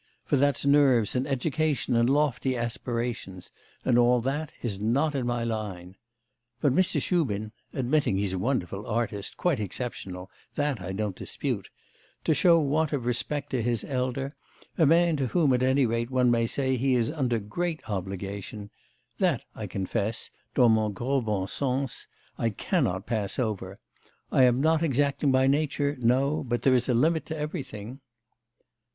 For that's nerves and education and lofty aspirations, and all that is not in my line. But Mr. Shubin... admitting he's a wonderful artist quite exceptional that, I don't dispute; to show want of respect to his elder, a man to whom, at any rate, one may say he is under great obligation; that I confess, dans mon gros bon sens, I cannot pass over. I am not exacting by nature, no, but there is a limit to everything.